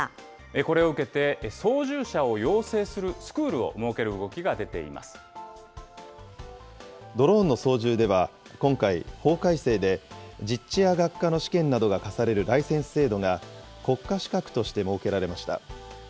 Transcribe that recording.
これを受けて、操縦者を養成するスクールを設ける動きが出てドローンの操縦では今回、法改正で実地や学科の試験などが課されるライセンス制度が、国家資格として設けられました。